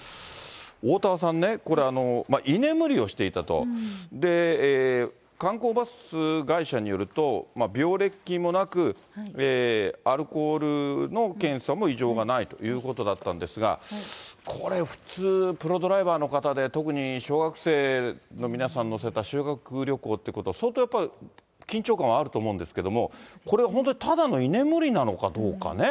おおたわさんね、これ、居眠りをしていたと、観光バス会社によると、病歴もなく、アルコールの検査も異常がないということだったんですが、これ普通、プロドライバーの方で、特に小学生の皆さん乗せた修学旅行ってことは、相当やっぱり、緊張感はあると思うんですけれども、これ、本当にただの居眠りなのかどうかね。